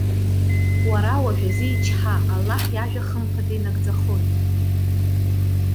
Уара, уажәазы ичҳа, Аллаҳ иажәа хымԥада инагӡахоит.